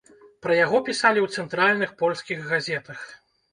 Пра яго пісалі ў цэнтральных польскіх газетах.